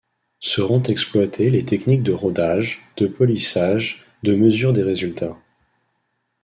Seront exploitées les techniques de rodage, de polissage, de mesure des résultats.